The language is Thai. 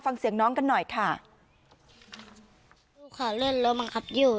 ฟังเสียงน้องกันหน่อยค่ะลูกค่ะเล่นแล้วบังคับอยู่